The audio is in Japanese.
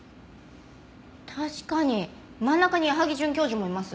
確かに真ん中に矢萩准教授もいます。